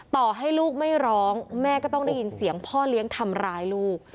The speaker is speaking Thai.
ต่อให้ลูกไม่ร้องแม่ก็ต้องได้ยินเสียงพ่อเลี้ยงทำร้ายลูก